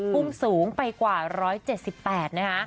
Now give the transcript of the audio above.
พุ่งสูงไปกว่า๑๗๘นะคะ